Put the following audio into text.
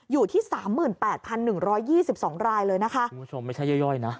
อยู่ที่สามหมื่นแปดพันหนึ่งร้อยยี่สิบสองรายเลยนะคะคุณผู้ชมไม่ใช่ย่อย่อยนะ